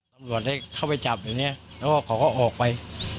ก็ได้เข้าไปจับอย่างนี้แล้วก็ออกไป